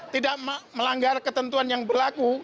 tidak melanggar ketentuan yang berlaku